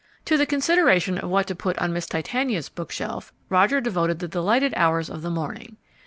To the consideration of what to put on Miss Titania's bookshelf Roger devoted the delighted hours of the morning.